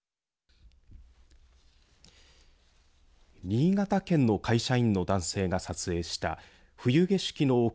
新潟県の会社員の男性が撮影した冬景色の奥